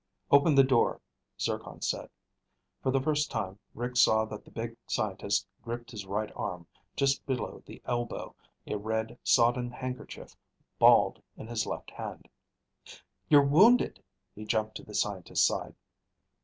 "Open the door," Zircon said. For the first time, Rick saw that the big scientist gripped his right arm just below the elbow, a red, sodden handkerchief balled in his left hand. "You're wounded!" He jumped to the scientist's side.